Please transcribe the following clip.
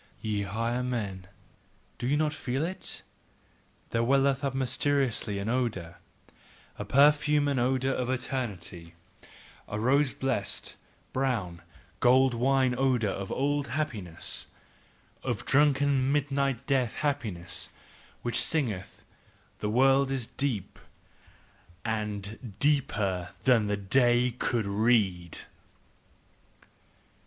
Ye higher men, do ye not feel it? There welleth up mysteriously an odour, A perfume and odour of eternity, a rosy blessed, brown, gold wine odour of old happiness, Of drunken midnight death happiness, which singeth: the world is deep, AND DEEPER THAN THE DAY COULD READ!